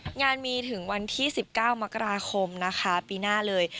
งานมีถึงวันที่๑๙มกราคมนะคะปีหน้าเลย